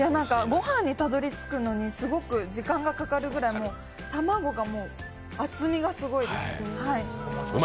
御飯にたどり着くのに、すごく時間がかかるくらいたまご、厚みがすごいです。